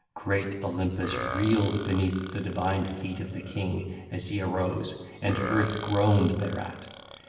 Great Olympus reeled beneath the divine feet of the king as he arose and earth groaned thereat.